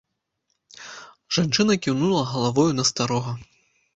Жанчына кіўнула галавою на старога.